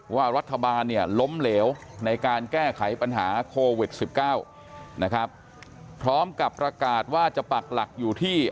ว่ารัฐบาลเนี่ยล้มเหลวในการแก้ไขปัญหาโควิด๑๙นะครับพร้อมกับประกาศว่าจะปักหลักอยู่ที่